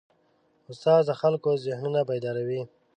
استاد د خلکو ذهنونه بیداروي.